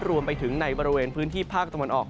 รวมไปถึงในบริเวณพื้นที่ภาคตะวันออก